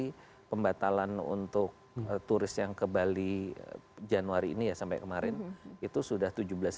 jadi pembatalan untuk turis yang ke bali januari ini ya sampai kemarin itu sudah tujuh belas